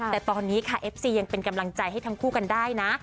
แต่ตอนนี้ค่ะเอฟซียังเป็นกำลังใจให้ทั้งคู่กันได้นะ